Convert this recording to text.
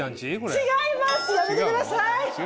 違いますやめてください！